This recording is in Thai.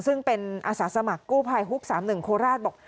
ซึ่งเป็นอาสาสมัครกู้ภัยฮุก๓๑โคราชบอก